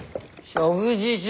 食事中。